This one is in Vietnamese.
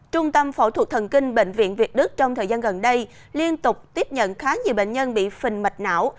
trung tâm phẫu thuật thần kinh bệnh viện việt đức trong thời gian gần đây liên tục tiếp nhận khá nhiều bệnh nhân bị phình mạch não